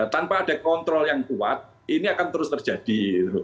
tanpa ada kontrol yang kuat ini akan terus terjadi